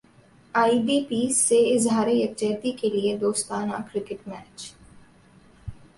ائی D Ps سے اظہار یک جہتی کیلئے دوستانہ کرکٹ میچ